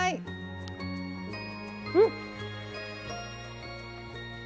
うん！